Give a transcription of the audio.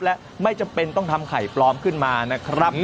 และไม่จำเป็นต้องทำไข่ปลอมขึ้นมานะครับ